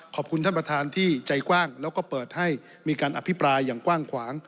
ขอบคุณท่านประธานที่ใจกว้างแล้วก็เปิดให้มีการอภิปรายอย่างกว้างขวาง